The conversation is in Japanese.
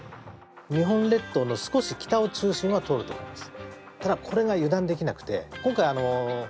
日本列島の北を中心が進むと思います。